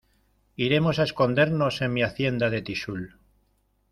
iremos a escondernos en mi Hacienda de Tixul.